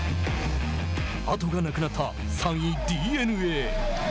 後がなくなった３位ＤｅＮＡ。